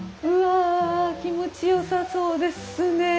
うわ気持ちよさそうですね